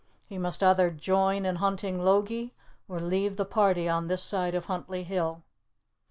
He must either join in hunting Logie, or leave the party on this side of Huntly Hill.